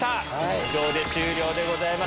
以上で終了でございます。